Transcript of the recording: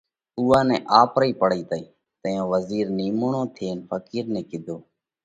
اُوئا نئہ آپرئِي پڙئِي تئِي۔ تئيون وزِير نِيموڻو ٿينَ ڦقِير نئہ ڪِيڌو: